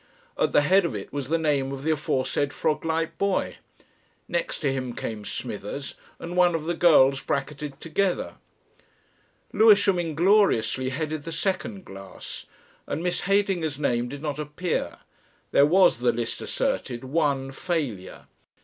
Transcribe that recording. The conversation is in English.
At the head of it was the name of the aforesaid frog like boy; next to him came Smithers and one of the girls bracketed together. Lewisham ingloriously headed the second class, and Miss Heydinger's name did not appear there was, the list asserted, "one failure."